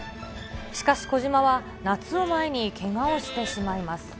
しかし小島は、夏を前にけがをしてしまいます。